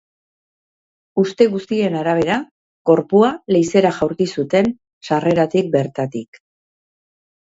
Uste guztien arabera, gorpua leizera jaurti zuten, sarreratik bertatik.